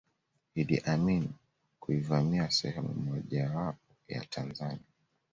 Iddi Amini kuivamia sehemu mojawapo ya Tanzania